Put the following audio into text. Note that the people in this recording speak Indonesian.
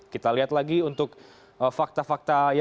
kita lihat lagi untuk fakta fakta